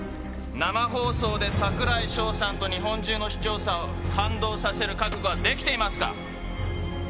生放送で櫻井翔さんと日本中の視聴者を感動させる覚悟はできていますか。